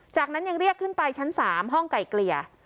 จากนั้นยังเรียกขึ้นไปชั้น๓ห้องไก่เกลี่ย